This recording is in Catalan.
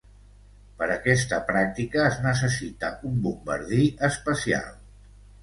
Per aquesta pràctica es necessita un bombardí especial.